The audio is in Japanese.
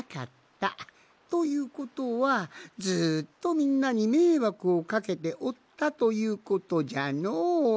ということはずっとみんなにめいわくをかけておったということじゃのう。